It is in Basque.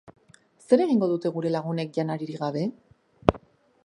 Zer egingo dute gure lagunek janaririk gabe?